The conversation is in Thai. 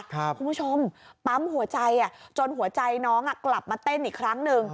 คุณผู้ชมปั๊มหัวใจจนหัวใจน้องกลับมาเต้นอีกครั้งหนึ่ง